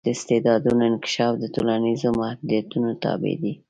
د استعدادونو انکشاف د ټولنیزو محدودیتونو تابع دی.